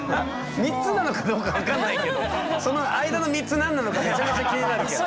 ３つなのかどうか分かんないけどその間の３つ何なのかめちゃめちゃ気になるけど。